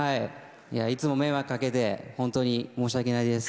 いつも迷惑かけて本当に申し訳ないです。